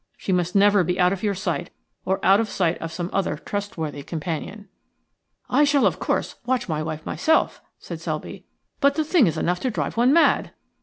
She must never be out of your sight or out of the sight of some other trustworthy companion." "I shall, of course, watch my wife myself," said Selby. "But the thing is enough to drive one mad."